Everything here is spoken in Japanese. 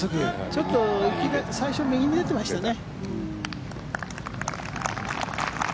ちょっと最初、右に出てましたね。